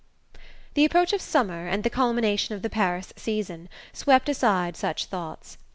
The approach of summer, and the culmination of the Paris season, swept aside such thoughts.